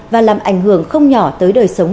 và làm ảnh hưởng không nhỏ tới đời sống